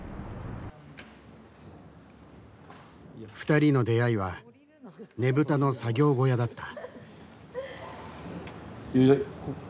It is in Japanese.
２人の出会いはねぶたの作業小屋だった。